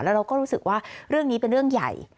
แล้วเราก็รู้สึกว่าเรื่องนี้เป็นเรื่องใหญ่